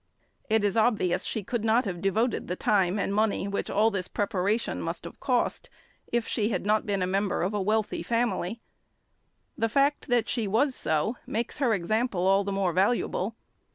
It is obvious she could not have devoted the time and money which all this preparation must have cost if she had not been a member of a wealthy family. The fact that she was so makes her example all the more valuable.